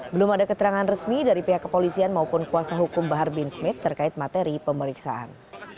belum ada keterangan resmi dari pihak kepolisian maupun kuasa hukum bahar bin smith terkait materi pemeriksaan